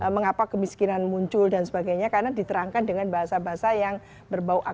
mengapa kemiskinan muncul dan sebagainya karena diterangkan dengan bahasa bahasa yang berbau akal